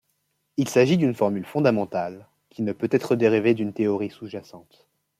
Il s'agit d'une formule fondamentale, qui ne peut être dérivée d'une théorie sous-jacente.